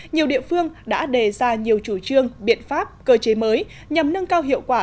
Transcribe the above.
nhiều địa phương đã đề ra nhiều chủ trương biện pháp cơ chế mới nhằm nâng cao hiệu quả